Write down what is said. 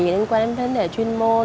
đến quan đến vấn đề chuyên môn